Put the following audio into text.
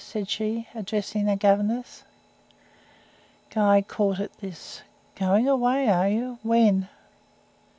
said she, addressing the governess. Guy caught at this. "Going away, are you? When?"